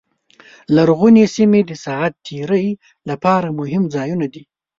لرغونې سیمې د ساعت تېرۍ لپاره مهم ځایونه دي.